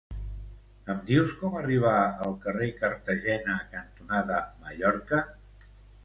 Em dius com arribar al carrer Cartagena cantonada Mallorca?